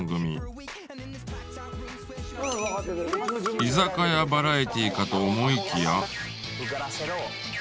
居酒屋バラエティかと思いきや。